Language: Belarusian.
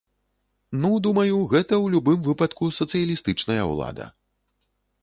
Ну, думаю, гэта ў любым выпадку сацыялістычная ўлада.